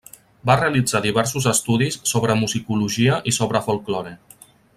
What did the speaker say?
Va realitzar diversos estudis sobre musicologia i sobre folklore.